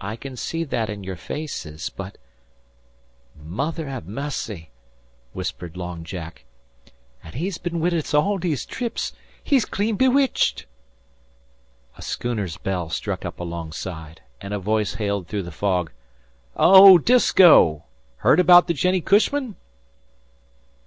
I can see that in your faces. But " "Mother av Mercy," whispered Long Jack, "an' he's been wid us all these trips! He's clean bewitched." A schooner's bell struck up alongside, and a voice hailed through the fog: "O Disko! 'Heard abaout the Jennie Cushman?"